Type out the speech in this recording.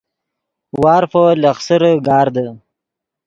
وارفو لخسرے گاردے